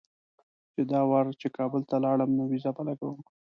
چې دا وار چې کابل ته لاړم نو ویزه به لګوم.